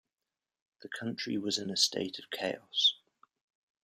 The country was in a state of chaos.